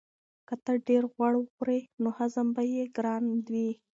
که ته ډېر غوړ وخورې نو هضم به یې ګران وي.